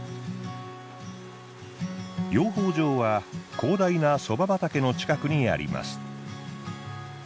養蜂場は広大なソバ畑の近くにあります。